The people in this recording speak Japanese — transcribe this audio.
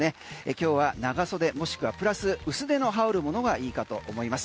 今日は長袖もしくはプラス薄手の羽織るものがいいかと思います。